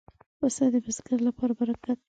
پسه د بزګر لپاره برکت دی.